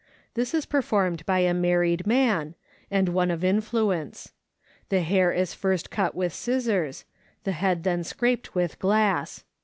This is performed by a married man, and one of influence. The hair is first cut with scissors ; the head then scraped with glass.